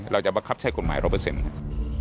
เราจะประคับใช้ความกดหมาย๑๐๐